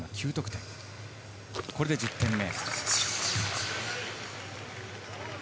これで１０点目。